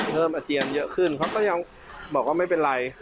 อาเจียนเยอะขึ้นเขาก็ยังบอกว่าไม่เป็นไร